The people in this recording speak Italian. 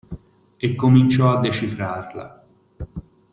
E cominciò a decifrarla.